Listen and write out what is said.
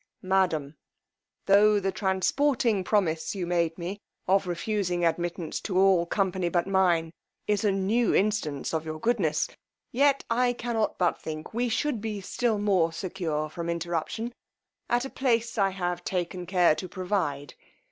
MADAM, "Tho' the transporting promise you made me of refusing admittance to all company but mine, is a new instance of your goodness, yet I cannot but think we should be still more secure from interruption at a place I have taken care to provide.